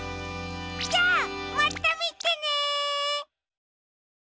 じゃあまたみてね！